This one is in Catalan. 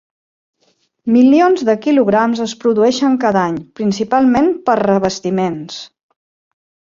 Milions de quilograms es produeixen cada any, principalment per a revestiments.